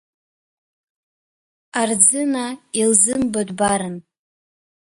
Арӡына илзымбатәбаран.